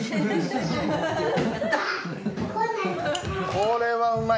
これはうまい。